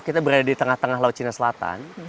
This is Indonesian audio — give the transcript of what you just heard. kita berada di tengah tengah laut cina selatan